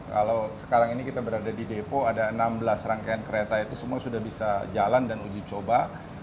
kalau sekarang ini kita berada di depo ada enam belas rangkaian kereta itu semua sudah bisa jalan dan uji coba